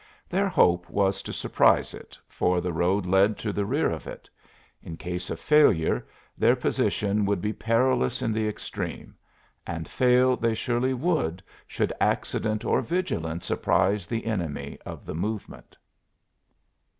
Their hope was to surprise it, for the road led to the rear of it. In case of failure, their position would be perilous in the extreme; and fail they surely would should accident or vigilance apprise the enemy of the movement.